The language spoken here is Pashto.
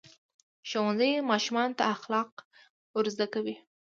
ښوونځی ماشومانو ته اخلاق ورزده کوي.